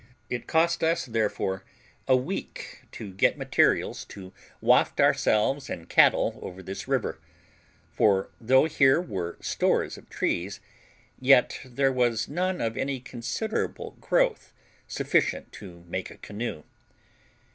It cost us, therefore, a week here to get materials to waft ourselves and cattle over this river; for though here were stores of trees, yet there was none of any considerable growth sufficient to make a canoe.